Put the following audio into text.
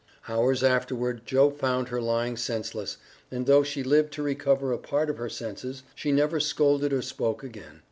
Hours afterward Joe found her lying senseless, and though she lived to recover a part of her senses, she never scolded or spoke again.